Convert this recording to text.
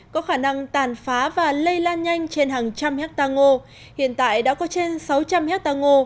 có khả năng tàn phá và lây lan nhanh trên hàng trăm hectare ngô hiện tại đã có trên sáu trăm linh hecta ngô